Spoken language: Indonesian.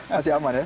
masih aman ya